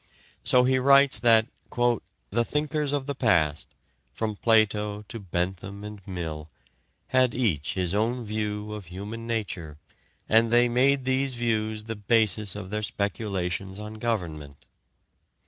So he writes that "the thinkers of the past, from Plato to Bentham and Mill, had each his own view of human nature, and they made these views the basis of their speculations on government."